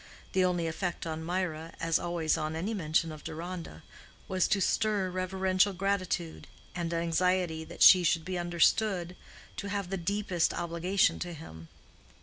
The only effect on Mirah, as always on any mention of Deronda, was to stir reverential gratitude and anxiety that she should be understood to have the deepest obligation to him.